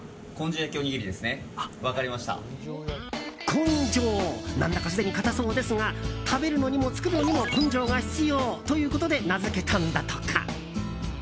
根性何だかすでに硬そうですが食べるのにも作るのにも根性が必要ということで名付けたんだとか。